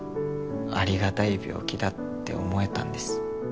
ありがたい病気だって思えたんです。